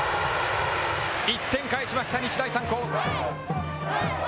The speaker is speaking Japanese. １点返しました、日大三高。